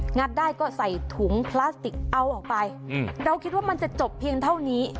ัดได้ก็ใส่ถุงพลาสติกเอาออกไปเราคิดว่ามันจะจบเพียงเท่านี้